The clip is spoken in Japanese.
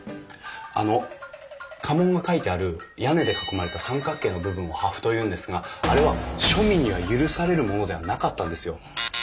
あの家紋が書いてある屋根で囲まれた三角形の部分を破風というんですがあれは庶民には許されるものではなかったんですよ。